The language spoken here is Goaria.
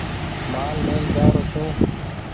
مآل لين جآرو ڇو ۔